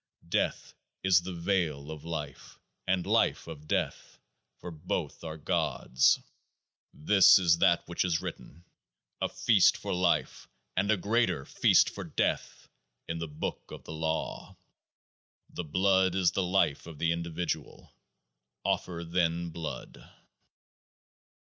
Death is the veil of Life, and Life of Death ; for both are Gods. This is that which is written :" A feast for Life, and a greater feast for Death !" in THE BOOK OF THE LAW. The blood is the life of the individual : offer then blood